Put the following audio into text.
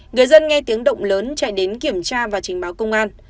người dân nghe tiếng động lớn chạy đến kiểm tra và trình báo công an